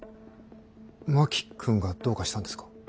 真木君がどうかしたんですか。